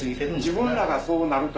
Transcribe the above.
自分らがそうなるとは。